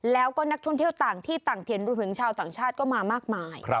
แล้วก็นักท่องเที่ยวต่างที่ต่างถิ่นรวมถึงชาวต่างชาติก็มามากมาย